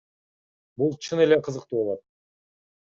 Бул чын эле кызыктуу болот.